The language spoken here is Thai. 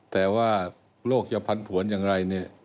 แต่ว่าโรคยะพันภวรอย่างไร